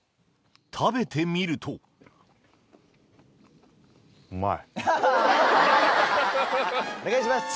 食べてみるとお願いします。